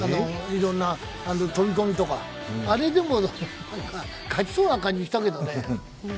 いろんな飛び込みとか、あれでも勝ちそうな感じしたけどね。